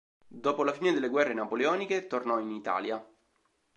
Dopo la fine delle guerre napoleoniche tornò in Italia.